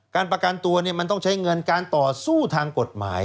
การประกันตัวมันต้องใช้เงินการต่อสู้ทางกฎหมาย